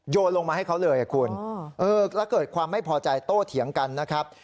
ลงมาให้เขาเลยคุณแล้วเกิดความไม่พอใจโต้เถียงกันนะครับ